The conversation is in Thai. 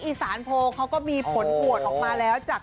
อีสานโพลเขาก็มีผลโหวตออกมาแล้วจาก